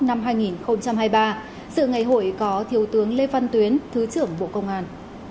năm hai nghìn hai mươi ba sự ngày hội có thiếu tướng lê văn tuyến thứ trưởng bộ công an